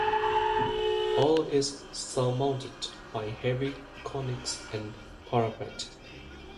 All is surmounted by a heavy cornice and parapet.